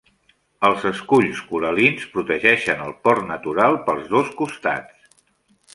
Els esculls coral·lins protegeixen el port natural pels dos costats.